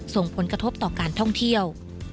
ส่งผลกระทบต่อการท่องเที่ยว